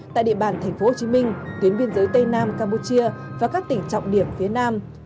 tại địa bàn tp hcm tuyến biên giới tây nam campuchia và các tỉnh trọng điểm phía nam